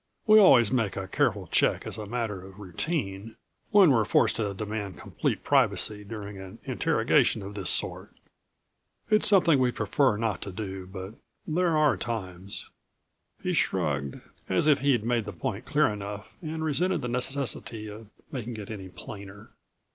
We always make a careful check as a matter of routine, when we're forced to demand complete privacy during an interrogation of this sort. It's something we'd prefer not to do, but there are times " He shrugged, as if he'd made the point clear enough and resented the necessity of making it any plainer.